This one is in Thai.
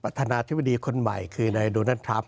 ปัฒนาธิบดีคนใหม่คือในดุนัททรัมป์